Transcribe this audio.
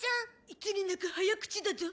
いつになく早口だゾ。